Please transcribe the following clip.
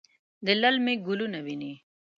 للمي ګلونه ویني